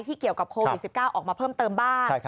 ที่เกี่ยวกับโคล๕๙ออกมาเพิ่มเติมบ้าน